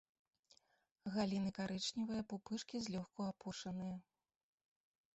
Галіны карычневыя, пупышкі злёгку апушаныя.